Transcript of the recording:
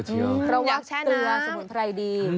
อยากแช่น้ำระหว่างเกลือสมุนไพรดี